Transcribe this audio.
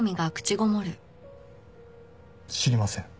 知りません。